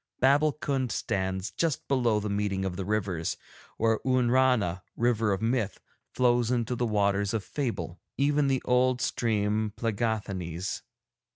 Babbulkund stands just below the meeting of the rivers, where Oonrana, River of Myth, flows into the Waters of Fable, even the old stream Plegáthanees.